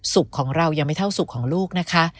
สุขของเรายังไม่เท่าสุขของลูกนะคะ